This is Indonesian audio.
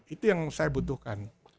itu yang saya butuhkan